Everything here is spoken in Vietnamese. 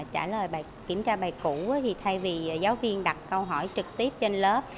trong phần kiểm tra bài cũ thay vì giáo viên đặt câu hỏi trực tiếp trên lớp